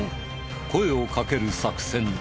声をかける作戦だ。